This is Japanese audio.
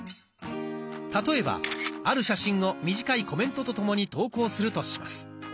例えばある写真を短いコメントとともに投稿するとします。